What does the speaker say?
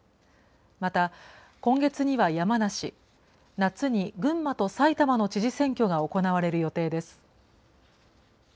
また、今月には山梨、夏に群馬と埼玉の知事選挙が行われる予定です。